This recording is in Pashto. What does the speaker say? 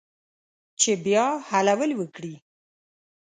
چې بیا حلول وکړي